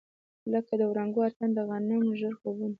لکه د وړانګو اتڼ، د غنم ژړ خوبونه